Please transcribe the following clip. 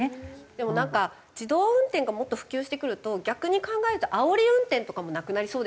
でもなんか自動運転がもっと普及してくると逆に考えるとあおり運転とかもなくなりそうですよね。